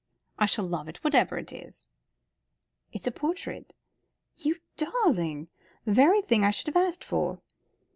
"I shall love it, whatever it is." "It's a portrait." "You darling! The very thing I should have asked for."